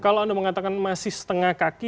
kalau anda mengatakan masih setengah kaki